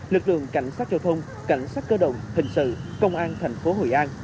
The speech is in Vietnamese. lực lượng cảnh sát giao thông cảnh sát cơ động hình sự công an thành phố hội an